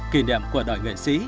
kỷ niệm của đời nghệ sĩ